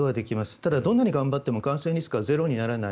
ただ、どんなに頑張っても感染リスクはゼロにはならない。